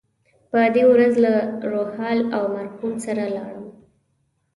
په دې ورځ له روهیال او مرهون سره لاړم.